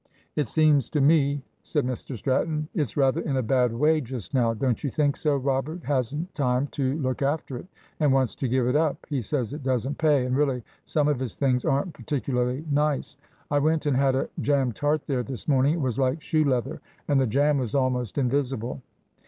"It seems to me," said Mr Stratton, "it's rather in a bad way just now; don't you think so? Robert hasn't time to look after it, and wants to give it up. He says it doesn't pay; and really some of his things aren't particularly nice. I went and had a jam tart there this morning. It was like shoe leather; and the jam was almost invisible."